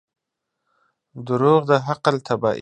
• دروغ د عقل تباهي ده.